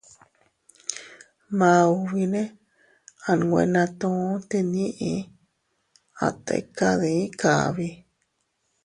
Maubine a nwe natu tinni, a tika dii kabi.